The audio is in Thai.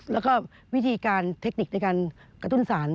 แล้วก็วิธีการเทคนิคในการกระตุ้นสาร